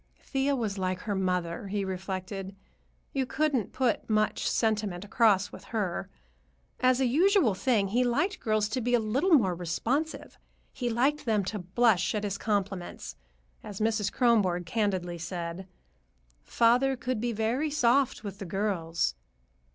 Thea was like her mother, he reflected; you couldn't put much sentiment across with her. As a usual thing, he liked girls to be a little more responsive. He liked them to blush at his compliments; as Mrs. Kronborg candidly said, "Father could be very soft with the girls."